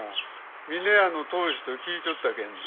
峰屋の当主と聞いちょったけんど。